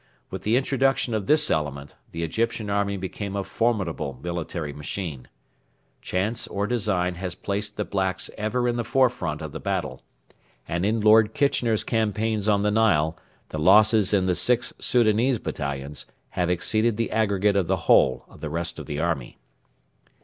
With the introduction of this element the Egyptian army became a formidable military machine. Chance or design has placed the blacks ever in the forefront of the battle, and in Lord Kitchener's campaigns on the Nile the losses in the six Soudanese battalions have exceeded the aggregate of the whole of the rest of the army.